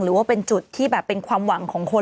หรือว่าเป็นจุดที่แบบเป็นความหวังของคน